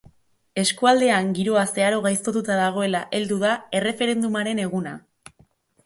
Eskualdean giroa zeharo gaiztotuta dagoela heldu da erreferendumaren eguna.